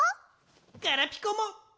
ガラピコも！